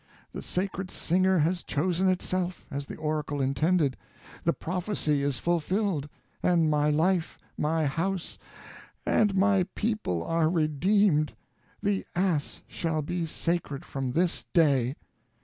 The sacred singer has chosen itself, as the oracle intended; the prophecy is fulfilled, and my life, my house, and my people are redeemed. The ass shall be sacred from this day!"